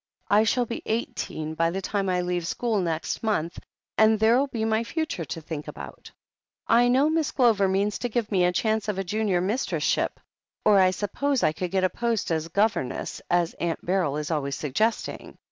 "I shall be eighteen by the time I leave school next month, and there'll be my future to think about. I know Miss Glover means to give me a chance of a Junior Mistress ship, or I suppose I could get a post as governess, as Aunt Beryl is always suggesting.